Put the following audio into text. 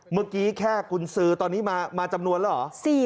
เมื่อกี้แค่กุญสือตอนนี้มาจำนวนแล้วเหรอ